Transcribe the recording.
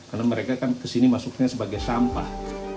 karena mereka kan ke sini masuknya sebagai sampah